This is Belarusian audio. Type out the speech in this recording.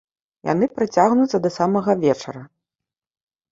Яны працягнуцца да самага вечара.